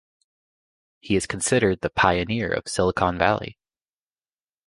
He is considered the pioneer of Silicon Valley.